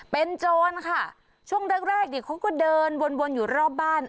เป็นโจรค่ะช่วงแรกแรกเนี่ยเขาก็เดินวนอยู่รอบบ้าน